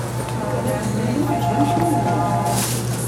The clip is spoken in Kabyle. Lukan ad t-tennalem, d amcum-nwen!